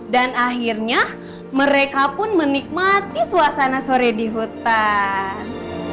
dan akhirnya mereka pun menikmati suasana sore di hutan